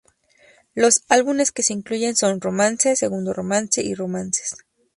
Los álbumes que se incluyen son: Romance, Segundo romance y Romances.